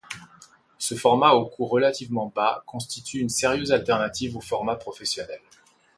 Ce format au coût relativement bas constitue une sérieuse alternative aux formats professionnels.